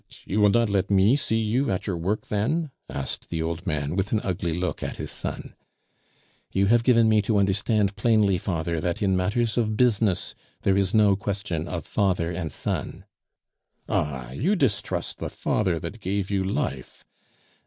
you will not let me see you at your work then?" asked the old man, with an ugly look at his son. "You have given me to understand plainly, father, that in matters of business there is no question of father and son " "Ah! you distrust the father that gave you life!"